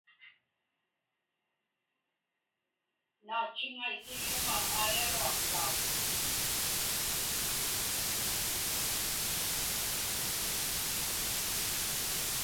Naatchiŋaisilluŋa aigaluaqtaak.